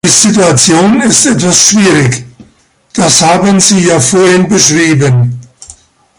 Die Situation ist etwas schwierig, das haben Sie ja vorhin beschrieben.